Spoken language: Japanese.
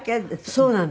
そうなんですよ。